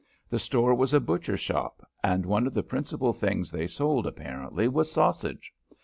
The store was a butcher shop, and one of the principal things they sold, apparently, was sausage.